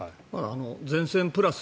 前線プラス